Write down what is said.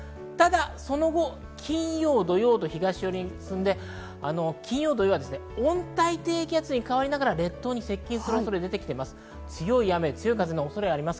その後、金曜土曜、東寄りに進んで温帯低気圧に変わりながら列島に接近する恐れがあります。